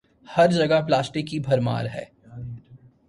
ہر جگہ پلاسٹک کی بھرمار ہے۔